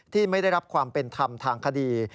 ที่ไม่ได้รับความเป็นธรรมทางคดี